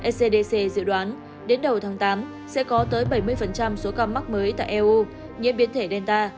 scdc dự đoán đến đầu tháng tám sẽ có tới bảy mươi số ca mắc mới tại eu nhiễm biến thể delta